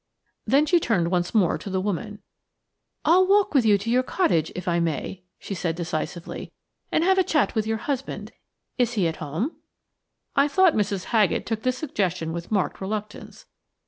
Then she turned once more to the woman. "I'll walk with you to your cottage, if I may," she said decisively, "and have a chat with your husband. Is he at home?" I thought Mrs. Haggett took this suggestion with marked reluctance.